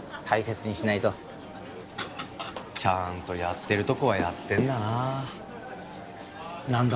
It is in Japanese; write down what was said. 大切にしないとちゃんとやってるとこはやってんだな